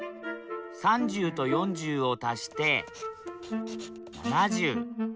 ３０と４０を足して７０。